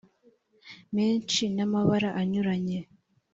menshi n’amabara anyuranye